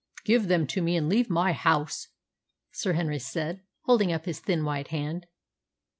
"Give them to me and leave my house," Sir Henry said, holding up his thin white hand.